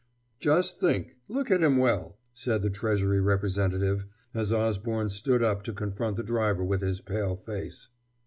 "Just think look at him well," said the Treasury representative, as Osborne stood up to confront the driver with his pale face.